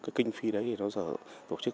cái kinh phi đấy thì nó sở tổ chức